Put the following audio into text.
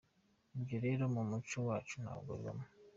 Ibyo rero mu muco wacu ntabwo bibamo.